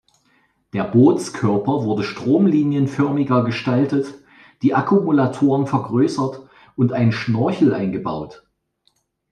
Der Bootskörper wurde stromlinienförmiger gestaltet, die Akkumulatoren vergrößert und ein Schnorchel eingebaut.